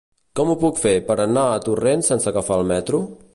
Com ho puc fer per anar a Torrent sense agafar el metro?